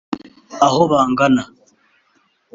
aho bagana